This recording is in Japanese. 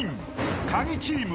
［カギチーム